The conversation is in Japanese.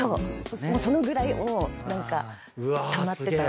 そのぐらいもう何かたまってたから。